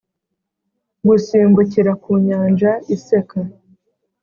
gusimbukira mu nyanja iseka.